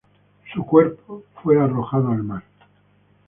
Su cuerpo fue arrojado al mar.